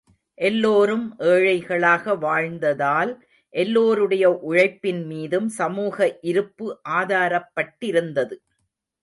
எல்லோரும் ஏழைகளாக வாழ்ந்ததால் எல்லோருடைய உழைப்பின்மீதும் சமூக இருப்பு ஆதாரப்பட்டிருந்தது.